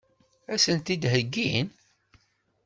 Ad sen-t-id-heggin?